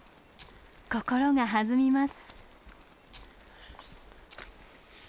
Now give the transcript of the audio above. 心が弾みます。